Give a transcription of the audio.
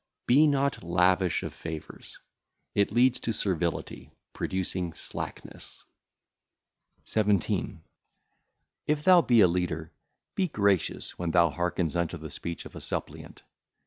Be not lavish of favours; it leadeth to servility (?), producing slackness. 17. If thou be a leader, be gracious when thou hearkenest unto the speech of a suppliant.